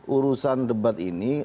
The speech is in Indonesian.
urusan debat ini